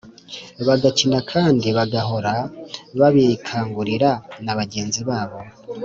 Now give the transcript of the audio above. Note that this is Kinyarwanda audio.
bagakina kandi bagahora babikangurira na bagenzi babo